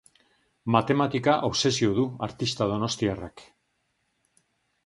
Matematika obsesio du artista donostiarrak.